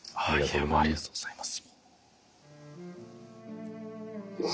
ありがとうございます。